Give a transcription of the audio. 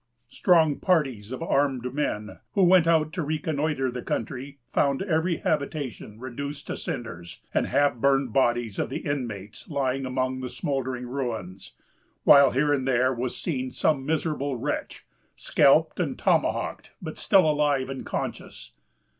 Strong parties of armed men, who went out to reconnoitre the country, found every habitation reduced to cinders, and the half burned bodies of the inmates lying among the smouldering ruins; while here and there was seen some miserable wretch, scalped and tomahawked, but still alive and conscious.